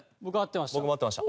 僕合ってました。